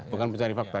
bukan pencari fakta